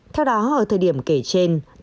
theo đó ở thời điểm kể trên